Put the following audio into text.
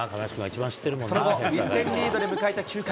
その後、１点リードで迎えた９回。